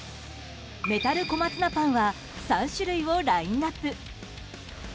メタル小松菜パンは３種類をラインアップ。